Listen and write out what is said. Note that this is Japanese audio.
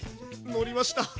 のりました！